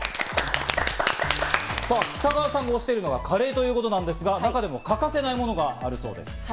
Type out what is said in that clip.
さぁ北川さんが推しているのがカレーということなんですが、中でも欠かせないものがあるそうです。